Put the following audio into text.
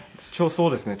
そうですね。